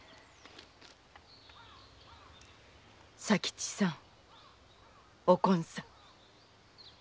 佐吉さんおこんさん。